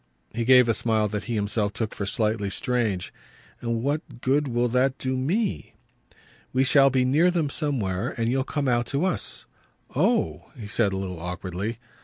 He gave a smile that he himself took for slightly strange. "And what good will that do ME?" "We shall be near them somewhere, and you'll come out to us." "Oh!" he said a little awkwardly.